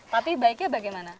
tapi baiknya bagaimana